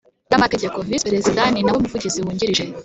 Y amategeko visi perezida ni nawe muvugizi wungirije